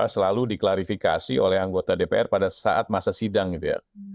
selalu diklarifikasi oleh anggota dpr pada saat masa sidang gitu ya